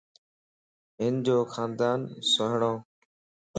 ھنَ جو خاندان سھڻوَ